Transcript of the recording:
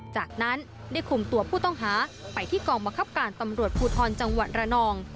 จากนั้นได้คุมตัวผู้ต้องหาไปที่กองบังคับการตำรวจภูทรจังหวัดระนอง